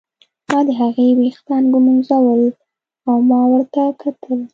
ما د هغې ویښتان ږمونځول او ما ورته کتل.